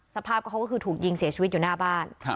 สภาพก็เขาก็คือถูกยิงเสียชีวิตอยู่หน้าบ้าน